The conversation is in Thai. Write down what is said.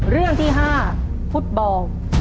เรื่องที่๕ฟุตบอล